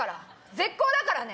絶交だからね。